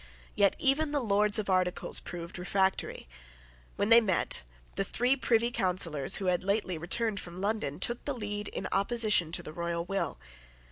Yet even the Lords of Articles proved refractory. When they met, the three Privy Councillors who had lately returned from London took the lead in opposition to the royal will.